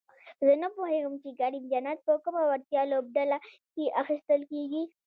زه نپوهېږم چې کریم جنت په کومه وړتیا لوبډله کې اخیستل کیږي؟